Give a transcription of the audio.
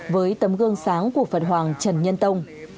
với tấm gương sáng của phật hoàng trần nhân tông